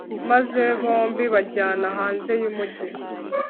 maze bombi bajyana hanze y'umugi